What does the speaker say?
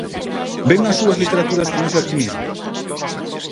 Ven as súas literaturas con ese optimismo?